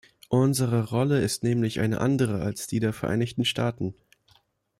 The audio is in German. Unsere Rolle ist nämlich eine andere als die der Vereinigten Staaten.